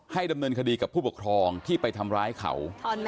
ดำเนินคดีกับผู้ปกครองที่ไปทำร้ายเขา